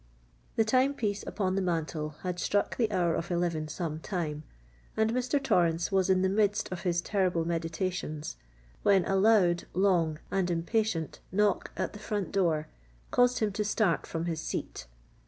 The time piece upon the mantle had struck the hour of eleven some time, and Mr. Torrens was in the midst of his terrible meditations, when a loud, long, and impatient knock at the front door caused him to start from his seat.